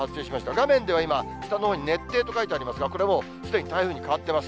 画面では今、下のほうに熱低と書いてありますが、これはもうすでに台風に変わってます。